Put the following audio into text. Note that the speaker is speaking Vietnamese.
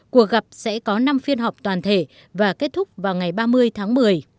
cuộc gặp sẽ có năm phiên họp toàn thể và kết thúc vào ngày ba mươi tháng một mươi